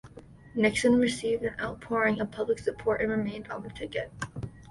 Nixon received an outpouring of public support and remained on the ticket.